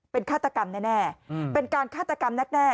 เป็นฆาตกรรมแน่เป็นการฆาตกรรมแน่